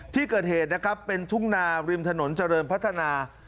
ที่เกิดเหตุนะครับเป็นทุ่งนาริมถนนเจริญพัฒนา